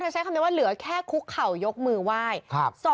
ใช้คำนี้ว่าเหลือแค่คุกเข่ายกมือไหว้